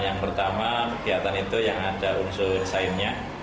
yang pertama kegiatan itu yang ada unsur sainsnya